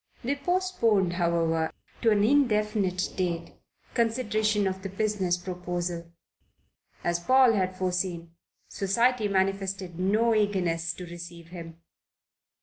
They postponed, however, to an indefinite date, consideration of the business proposal. As Paul had foreseen, Society manifested no eagerness to receive him.